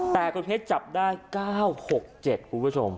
แต่คุณเพชรจับได้๙๖๗คุณผู้ชม